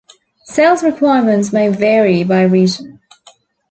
Sales requirements may vary by region.